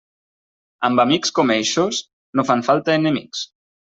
Amb amics com eixos, no fan falta enemics.